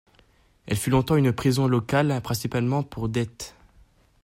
Elle fut longtemps une prison locale, principalement pour dettes.